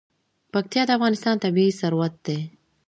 پکتیا د افغانستان طبعي ثروت دی.